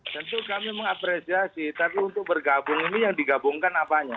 tentu kami mengapresiasi tapi untuk bergabung ini yang digabungkan apanya